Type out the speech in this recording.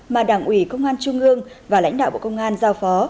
mà đảng ủy công an trung ương và lãnh đạo bộ công an giao phó